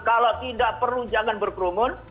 kalau tidak perlu jangan berkerumun